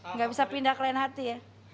enggak bisa pindah kalian hati ya